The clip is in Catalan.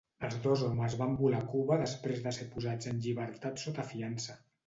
Els dos homes van volar a Cuba després de ser posats en llibertat sota fiança.